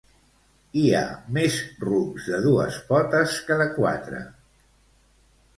Hi ha més rucs de dues potes que de quatre